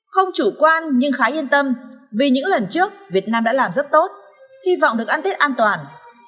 không chủ quan nhưng khá yên tâm vì những lần trước việt nam đã làm rất tốt hy vọng được ăn tết an toàn